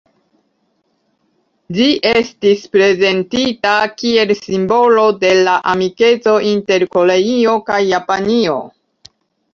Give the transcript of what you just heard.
Ĝi estis prezentita kiel "simbolo de la amikeco inter Koreio kaj Japanio".